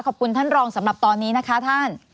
ขอบคุณท่านรองสำหรับตอนนี้นะคะท่าน